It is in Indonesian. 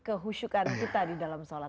kehusyukan kita di dalam sholat